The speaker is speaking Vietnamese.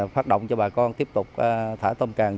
phát động cho bà con tiếp tục thả tôm càng